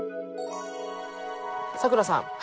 さくらさん。